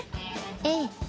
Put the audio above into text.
ええ。